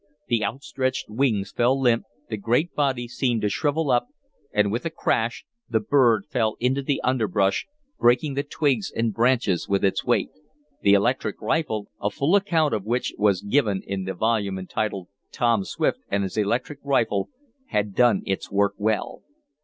The outstretched wings fell limp, the great body seemed to shrivel up, and, with a crash, the bird fell into the underbrush, breaking the twigs and branches with its weight. The electric rifle, a full account of which was given in the volume entitled "Tom Swift and His Electric Rifle," had done its work well.